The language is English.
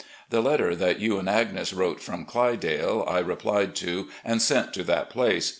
The letter that you and Agnes wrote from 'Clydale' I replied to and sent to that place.